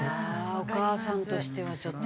お母さんとしてはちょっと。